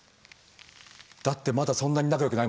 だってまだそんなに仲良くないもんね。